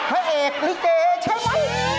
พอแห่งลิเกใช่ไหม